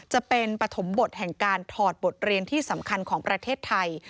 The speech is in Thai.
จะเป็นปฐมบทแห่งการถอดบทเรียนที่สำคัญของประเทศไทย